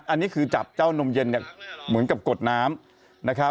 อันนี้คือจับเจ้านมเย็นเหมือนกับกดน้ำ